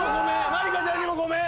まりかちゃんにもごめん！